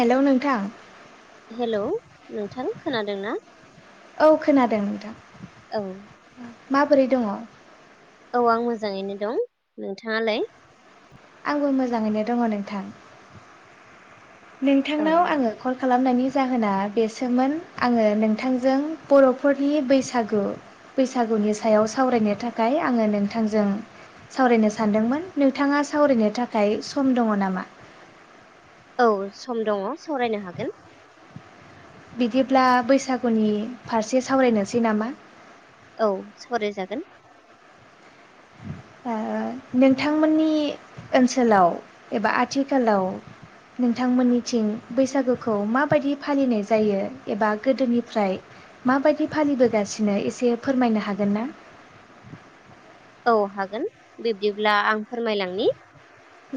Hello नोंथां hello नोंथां खोनादों ना औ खोनादों नोंथां औ माबोरै दङ औ आं मोजाङैनो दं नोंथाङालाय आंबो मोजाङैनो दङ नोंथां औ नोंथांनाव आङो कल खालामनायनि जाहोना बेसोमोन आङो नोंथांजों बर'फोरनि बैसागु बैसागुनि सायाव सावरायनो थाखाय आङो नोंथांजों सावरायनो सानदोंमोन नोंथाङा सावरायनो थाखाय सम दङ नामा औ सम दङ सावरायनो हागोन बिदिब्ला बैसागुनि फारसे सावरायनोसै नामा औ सावरायजागोन नोंथांमोननि ओनसोलाव एबा आथिखालाव नोंथांमोननिथिं बैसागुखौ माबायदि फालिनाय जायो एबा गोदोनिफ्राय माबायदि फालिबोगासिनो एसे फोरमायनो हागोन ना औ हागोन बिब्दिब्ला आं फोरमायलांनि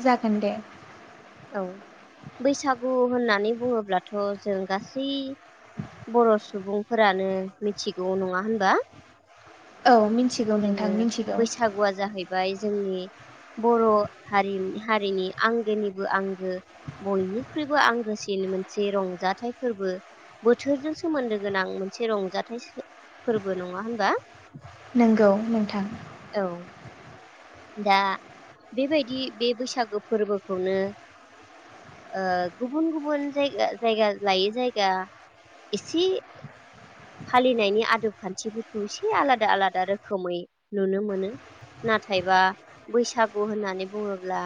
जागोन दे औ बैसागु होननानै बुङोब्लाथ' जों गासै बर' सुबुं फोरानो मिथिगौ नङा होनबा औ मिथिगौ जोङो नोंथां मिथिगौ बैसागुआ जाहैबाय जोंनि बर' हारि हारिनि आंगोनिबो आंगो बयनिख्रुइबो आंगोसिन मोनसे रंजाथाइ फोरबो बोथोरजों सोमोन्दो गोनां मोनसे रंजाथाइ फोरबो नङा होनबा नोंंगौ नोंथां औ दा बेबायदि बे बैसागु फोरबोखौनो गुबुन गुबुन जायगा जायगा लायै जायगा एसे फालिनायनि आदब खान्थिफोरखौ एसे आलादा आलादा रोखोमै नुनो मोनो नाथाय नाथायबा बैसागु होननानै बुङोब्ला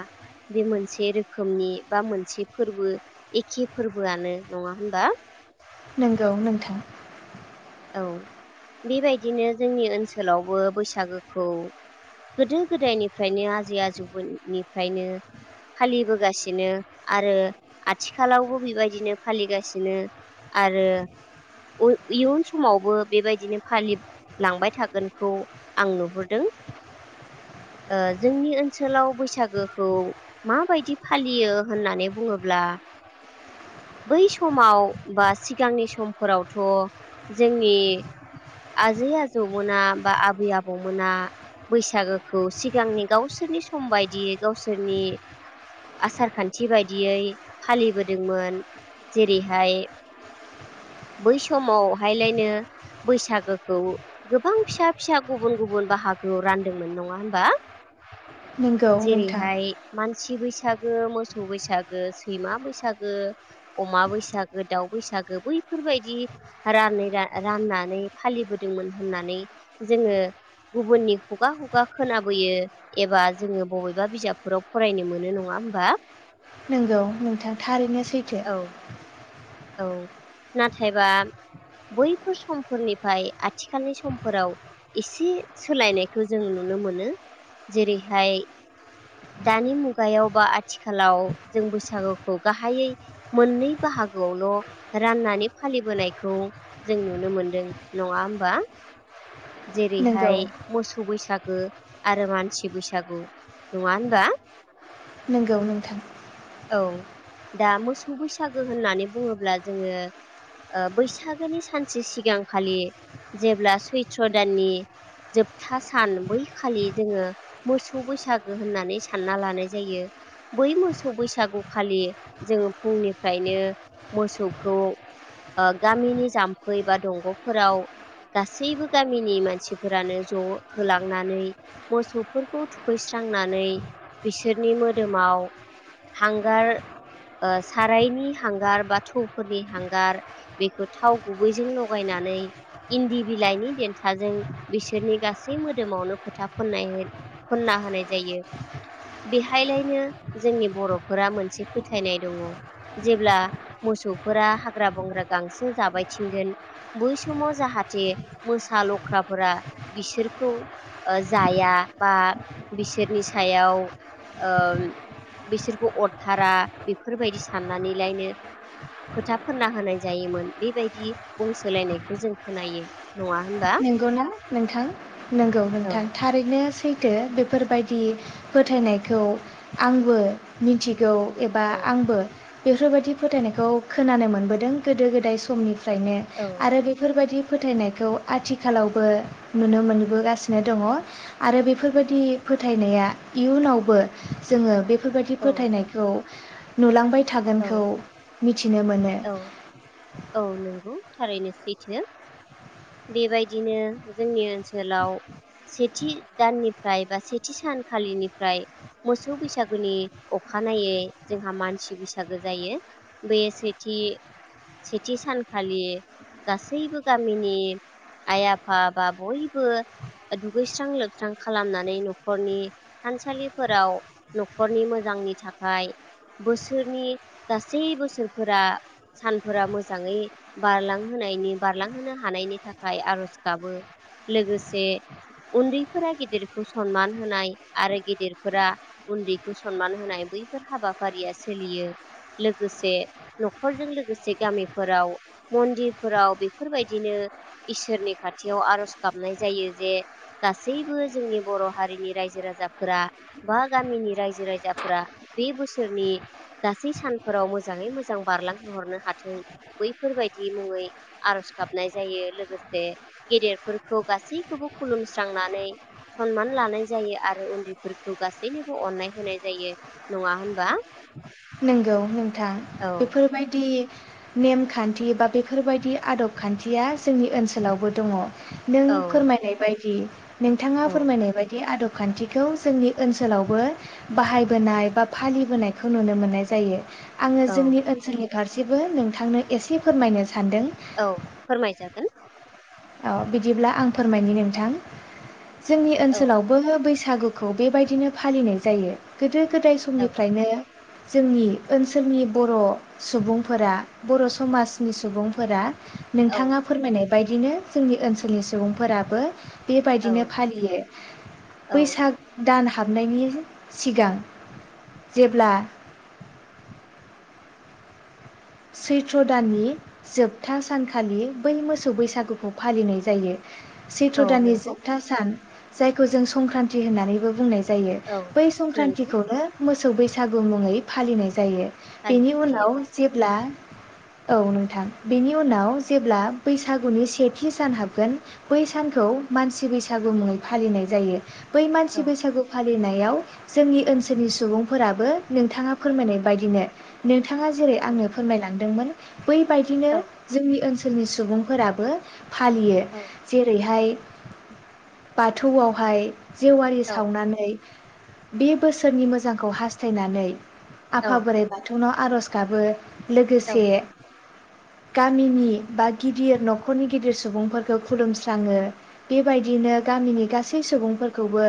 बे मोनसे रोखोमनि बा मोनसे फोरबो एखे फोरबोआनो नङा होनबा नंगौ नोंथां औ बेबायदिनो जोंनि ओनसोलावबो बैसागोखौ गोदो गोदायनिफ्रायनो आजै आजौनिफ्रायनो फालिबोगासिनो आरो आथिखालावबो बेबायदिनो फालिगासिनो आरो इयुन समावबो बेबायदिनो फालिलांबाय थागोनखौ आं नुहुरदों जोंनि ओनसोलाव बैसागोखौ माबायदि फालियो होननानै बुङोब्ला बै समाव बा सिगांनि समफोरावथ' जोंनि आजै आजौमोना बा आबै आबौमोना बैसागोखौ सिगांनि गावसोरनि सम बायदियै गावसोरनि आसार खान्थि बायदियै फालिबोदोंमोन जेरैहाय बै समावहायलायनो बैसागोखौ गोबां फिसा फिसा गुबुन गुबुन बाहागोआव रानदोंमोन नङा होमबा नंगौ नोंथां जेरैहाय मानसि बैसागो मोसौ बैसागो सैमा बैसागो अमा बैसागो दाउ बैसागो बैफोर बेफोरबायदि रानै राननानै फालिबोदोंमोन होननानै जोङो गुबुननि हुगा हुगा खोनाबोयो एबा जोङो बबेबा बिजाबफोराव फरायनो मोनो नङा होमबा नोंगौ नोंथां थारैनो सैथो औ औ नाथायबा बैफोर समफोरनिफ्राय आथिखालनि समफोराव एसे सोलायनायखौ जों नुनो मोनो जेरैहाय दानि मुगायाव बा आथिखालाव जों बैसागुखौ गाहायै मोननै बाहागोआवल' राननानै फालिबोनायखौ जों नुनो मोनदों नङा होमबा नोंगौ जेरैहाय मोसौ बैसाग आरो मानसि बैसागु नङा होनबा नोंगौ नोंथां औ दा मोसौ बैसागो होननानै बुङोब्ला जोङो ओ बैसागोनि सानसे सिगांखालि जेब्ला सैथ्र' दाननि जोबथा सान बै खालि जोङो मोसौ बैसागो होननानै सानना लानाय जायो बै मोसौ मोसौ बैसागुखालि जोङो फुंनिफ्रायनो मोसौखौ ओ गामिनि जाम्फै बा दंग'फोराव गासैबो गामिनि मानसिफोरानो ज' होलांनानै मोसौफोरखौ थुखैस्रांनानै बिसोरनि मोदोमाव हांगार ओ सारायनि हांगार बा थौफोरनि हांगार बेखौ थाव गुबैजों लगायनानै इन्दि बिलाइनि देन्थाजों बिसोरनि गासै मोदोमावनो फोथा फोन्नाय फोन्ना होनाय जायो बेहायलायनो जोंनि बर' फोरा मोनसे फोथायनाय दङ जेब्ला मोसौफोरा हाग्रा बंग्रा गांसो जाबाय थिंगोन बै समाव जाहाथे मोसा लख्राफोरा बिसोरखौ जाया बा बिसोरनि सायाव ओ बिसोर अरथारा बेफोरबायदि साननानैलायनो फोथा फोनना होनाय जायोमोन बेबायदि बुंसोलायनायखौ जों खोनायो नङा होनबा नंगौना नोंथां नंगौ औ नोंथां थारैनोै फो बेफोरबायदि फोथायनायखौ आंबो मिथिगौ एबा औ आंबो बेफोरबायदि फोथायनायखौ खोनानो मोनबोदों गोदो गोदाय समनि नो औ आरो बेफोरबायदि फोथायनायखौ आथिखालावबो नुनो मोनबोगासिनो दङ आरो बेफोरबायदि फोथायनाया इयुनावबो जोङो बे बेफोरबायदि औ फोथायनायखौ नुलांबाय थागोनखौ औ मिथि मिथिनो मोनो औ औ नंगौ थारैनो सैथो बेबायदिनो जोंनि ओनसोलाव सेथि दाननिफ्राय बा सेथि सानखालिनिफ्राय मोसौ बैसागोनि अखानायै जोंहा मानसि बैसागो जायो बे सै थि सेथि सानखालि गासैबो गामिनि आइ आफा बा बयबो दुगैस्रां लोबस्रां खालामनानै न'खरनि थानसालिफोराव न'खरनि मोजांनि थाखाय बोसोरनि गासै बोसोर फोरा सानफोरा मोजाङै बारलांहोनायनि बारलांहोनो हानायनि थाखाय आर'ज गाबो लोगोसे उन्दैफोरा गेदिरखौ सनमान होनाय आरो गेदेरफोरा उन्दैखौ सनमान होनाय बैफोर हाबाफारिया सोलियो लोगोसे न'खरजों लोगोसे गामिफोराव मन्दिरफोराव बेफोरबायदिनो इसोरनि खाथियाव आर'ज गाबनाय जायो जे गासैबो जोंनि बर' हारिनि रायजो राजाफोरा बा गामिनि रायजो राजाफोरा बे बोसोरनि गासै सानफोराव मोजाङै मोजां मोजां बारलांहोहरनो हाथों बैफोरबायदि मुङै आरज गाबनाय जायो लोगोसे गेदेरफोरखौ गासैखौबो खुलुमस्रांनानै सनमान लानाय जायो आरो उन्दैफोरखौ गासैनोबो अननाय होनाय जायो नङा होनबा नोंगौ नोंथां औ बेफोरबायदि नेमखान्थि बा बेफोरबायदि आदब खान्थिया जोंनि ओनसोलावबो दङ नों औ फोरमायनाय बायदि नोंथाङा औ फोरमायनाय बायदि आदब खान्थिखौ जोंनि ओनसोलावबो बाहायबोनाय बा फालिबोनायखौ नुनो मोनो मोननाय जायो आङो औ जोंनि ओनसोल फारसेबो नोंथांनो एसे फोरमायनो सानदों औ फोरमाय जागोन। औ बिदिब्ला आं फोरमायनि नोंथां। जोंनि औ ओनसोलावबो बै सागुखौ बेबायदिनो फालिनाय जायो गोदो गोदाय औ समनिफ्रायनो जोंनि ओनसोलनि बर' सुबुंफोरा बर' समाजनि सुबुंफोरा औ नोंथाङा फोरमायनाय बायदिनो जोंनि ओनसोलनि सुबुंफोराबो बेबायदिनो औ फालियो औ बैसाग दान हाबनायनि सिगां जेब्ला सैथ्र दाननि जोबथा सानखालि बै मोसौ बैसागुखौ फालिनाय जायो। औ सैथ्र दाननि नंगौ जोबथा सान। जायखौ जों संक्रान्ति होननानैबो बुंनाय जायो औ बै नंगौ संक्रान्तिखौनो मो सौ बैसागु मुङै फालिनाय जायो। फालिनाय बेनि जायो उनाव जेब्ला औ नोंथां बेनि उनाव जेब्ला बैसागुनि सेथि सान हाबगोन बै सानखौ मानसि बैसागु मुङै फालिनाय जायो। बै औ मानसि बैसागु फा लिनायाव जोंनि ओनसोलनि सुबुंफोराबो नोंथाङा फोरमायनाय बायदिनो नों थाङा जेरै आङो दोंमोन। बैबायदिनो औ जोंनि ओन नि सुबुंफोराबो फालियो औ जेरैहाय बाथौआवहाय जेवारि औ सावनानै बे बोसोरनि मोजांखौ हासथायनानै आफा बोराइ बाथौनाव आर'ज गाबो औ लोगोसे गामिनि बा गिदिर न'खरनि गिदिर सुबुंफोरखौ खुलुमस्राङो बेबायदिनो गामिनि गासै सुबुंफोरखौबो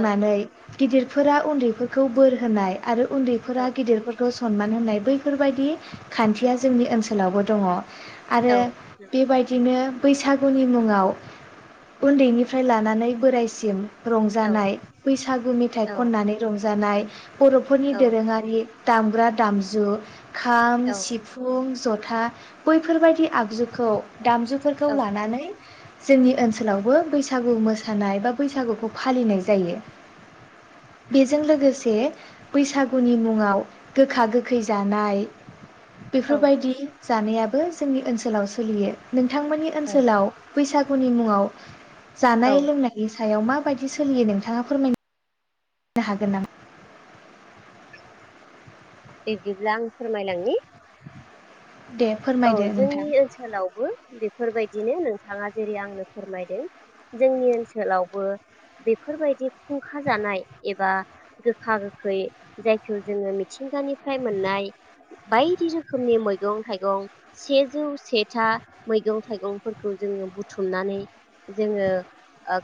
औ गिदिरफोरा उन्दैफोरखौ बोर होनाय आरो उन्दैफोरा गिदिरफोरखौ सनमान होननाय बै बेफोरबायदि खान्थिया जोंनि ओनसोलावबो दङ औ आरो नंगौ बेबायदिनो बैसागुनि मुङाव उन्दैनिफ्राय लानानै बोराइसिम औ रंजानाय बैसागु मेथाइ खननानै रंजानाय जानाय बर'फोरनि दोरोङारि दामग्रा दामजु खाम सिफुं जथा बैफोरबायदि आगजुखौ दामजुफोरखौ लानानै जोंनि ओनसोलावबो बैसागु मोसानाय बा बैसागुखौ फालिनाय जायो बेजों लोगोसे बैसागुनि मुङाव गोखा गोखै जानाय नाय औ बेफोरबायदि जानायाबो जोंनि ओनसोलाव सोलियो नोंथांमोननि औ ओनसोलाव बैसागुनि मुङाव औ जानाय लोंनाय इसे सायाव माबायदि सोलियो नोंथाङा फोरमायनो दा हागोन नामा बिदिब्ला आं फोरमायलांनि दे औ फोरमायदो नोंथां जोंनि ओनसोलावबो बे बेफोरबायदिनो नोंथाङा जेरै आंनो फोरमायदों जोंनि ओनसोलावबो बेफोरबायदि खुंखा जानाय एबा गोखा गोखै जायखौ जोङो मिथिंगानिफ्राय मोननाय बायदि रोखोमनि मैगं थाइगं सेजौ सेथा मैगं थाइगंफोरखौ जोङो बुथुमनानै जोङो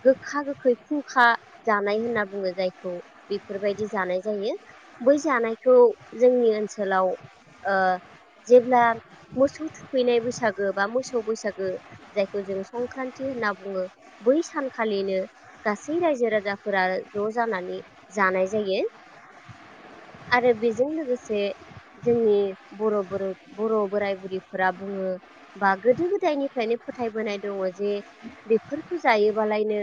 गोखा गोखै खुंखा जानाय होनना बुङो जायखौ बेफोरबायदि जानाय जायो बै जानायखौ जोंनि ओनसोलाव ओ जेब्ला मोसौ थुखैनाय बैसागो बा मोसौ बैसागो जायखौ जोंङ संक्रान्ति होनना बुङो बै सानखालिनो गासै रायजो राजाफोरा ज' जानानै जानाय जायो आरो बेजों लोगोसे जोंनि बर' बर' बोराय बुरिफोरा बुङो बा गोदो गोदायनिफ्रायनो फोथायबोनाय दङ जे बेफोरखौ जायोबालायनो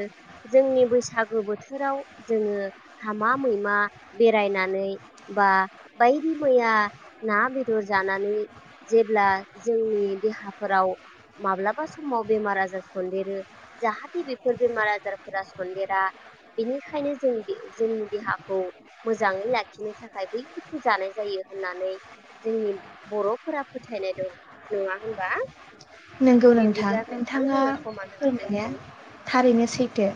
जोंनि बैसागु बोथोराव जोङो हामा मैमा बेरायनानै बा बायदि मैया ना बेदर जानानै जेब्ला जोंनि देहाफोराव माब्लाबा समाव बेमार आजार सनदेरो जाहाथे बेफोर बेमार आजारफोरा सनन्देरा बेनिखायनो जों जोंनि देहाखौ मोजाङै लाखिनो थाखाय बैफोरखौ जानाय जायो होननानै जोंनि बर'फोरा फोथायनाय दं नङा होनबा नंगौ नोंथां बिब्दिब्ला नोंथां नोंथाङा जोंना समा जाबाय फोरमायनाय दोनथ'नि थारैनो सैथो